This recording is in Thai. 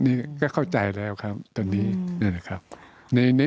นี่ก็เข้าใจแล้วครับตอนนี้